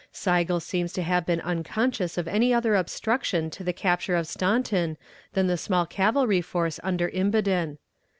Sigel seems to have been unconscious of any other obstruction to the capture of Staunton than the small cavalry force under Imboden.